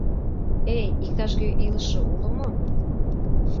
Эй, иктаж-кӧ илыше уло мо?